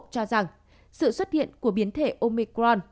cho rằng sự xuất hiện của biến thể omicron